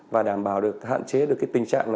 và đảm bảo được hạn chế được cái tình trạng